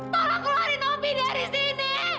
tolong keluarin mpok dari sini